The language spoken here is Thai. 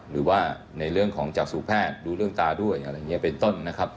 หรือว่าในเรื่องของจากสู่แพทย์ดูเรื่องตาด้วยอะไรอย่างนี้เป็นต้นนะครับ